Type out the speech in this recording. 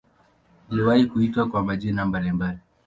Iliwahi kuitwa kwa majina mbalimbali.